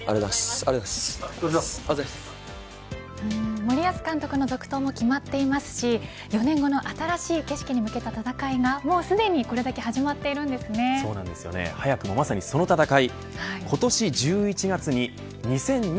森保監督の続投も決まっていますし４年後の新しい景色に向けた戦いが、もうすでにこれだけそうですね、早くもその戦い。